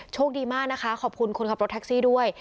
โชคดีมากนะคะขอบคุณคนขับรถแท็กซี่ด้วย